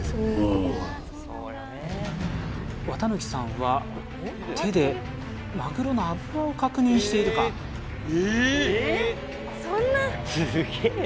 ここは綿貫さんは手でマグロの脂を確認しているかそんなっ